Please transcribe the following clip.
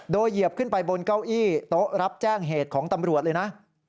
โดยเหยียบขึ้นไปบนเก้าอี้โต๊ะรับแจ้งเหตุของตำรวจเลยนะ